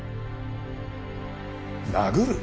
殴る！？